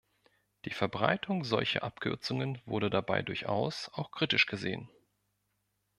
Die Verbreitung solcher Abkürzungen wurde dabei durchaus auch kritisch gesehen.